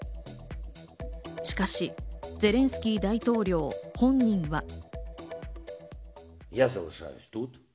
しかしゼレンスキー大統領本人は。